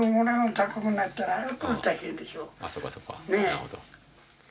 なるほど。